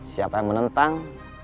siapa yang menentang